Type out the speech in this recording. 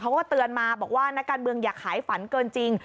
เขาก็เตือนมาบอกว่านักการเมืองอย่าขายฝันเกินจริง